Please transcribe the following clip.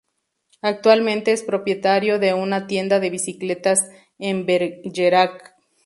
Actualmente es propietario de una tienda de bicicletas en Bergerac.